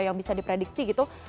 yang bisa diprediksi gitu